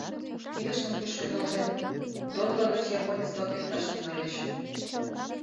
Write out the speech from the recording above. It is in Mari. Кидыштым кӱшкӧ нӧлтен, ДОТ-ла гыч японец-влак лекташ тӱҥальыч.